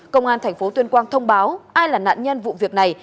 công an tp tuyên quang thông báo ai là nạn nhân vụ việc này